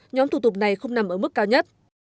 nhóm thủ tục này không nằm ở mức cao nhất